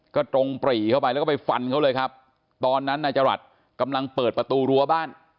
ก็ตรงปรีเข้าไปแล้วก็ไปฟันเขาเลยครับตอนนั้นนายจรัสกำลังเปิดประตูรั้วบ้าน